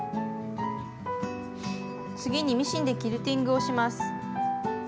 次にミシンでキルティングをします。